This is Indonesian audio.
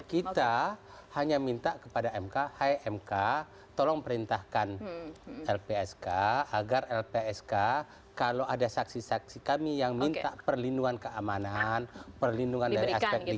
kita hanya minta kepada mk hai mk tolong perintahkan lpsk agar lpsk kalau ada saksi saksi kami yang minta perlindungan keamanan perlindungan dari aspek lingkungan